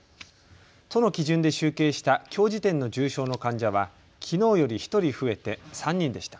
都の基準で集計したきょう時点の重症の患者はきのうより１人増えて３人でした。